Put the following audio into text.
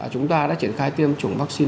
chúng ta đã triển khai tiêm chủng vắc xin